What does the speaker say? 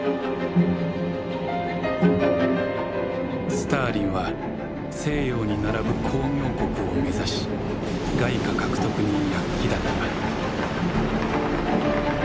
スターリンは西洋に並ぶ工業国を目指し外貨獲得に躍起だった。